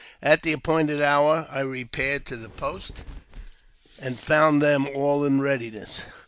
At the appointed hour I repaired to the post, and found them all in readiness.